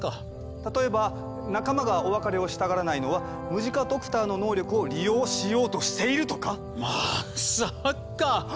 例えば仲間がお別れをしたがらないのはムジカドクターの能力を利用しようとしているとか⁉まさか。